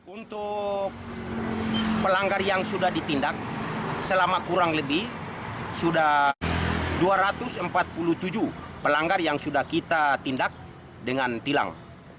untuk pelanggar yang sudah ditindak selama kurang lebih sudah dua ratus empat puluh tujuh pelanggar yang sudah kita tindak dengan tilang